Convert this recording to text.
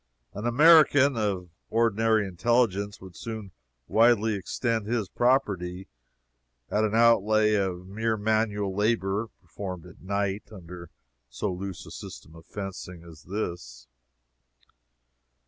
An American, of ordinary intelligence, would soon widely extend his property, at an outlay of mere manual labor, performed at night, under so loose a system of fencing as this.